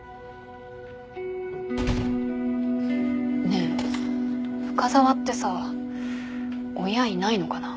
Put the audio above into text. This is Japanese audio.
ねえ深澤ってさ親いないのかな。